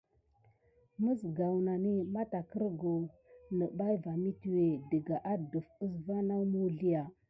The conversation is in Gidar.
Məzgaw nane matagərgəw gay va métuwé dəga adəf əsva naw muwslya.